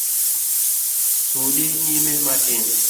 Sudi nyime matin.